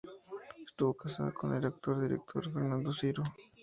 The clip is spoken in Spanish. Estuvo casada con el actor y director Fernando Siro.